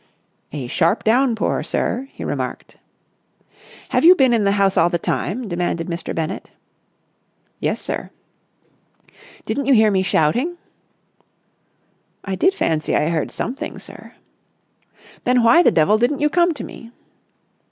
"A sharp downpour, sir," he remarked. "Have you been in the house all the time?" demanded Mr. Bennett. "Yes, sir." "Didn't you hear me shouting?" "I did fancy I heard something, sir." "Then why the devil didn't you come to me?"